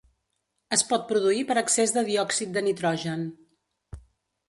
Es pot produir per excés de diòxid de nitrogen.